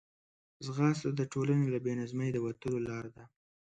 ځغاسته د ټولنې له بې نظمۍ د وتلو لار ده